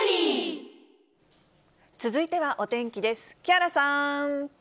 続いてはお天気です。